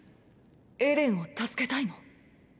エレンを助けたいの？